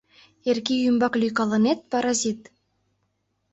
Эркий ӱмбак лӱйкалынет, паразит!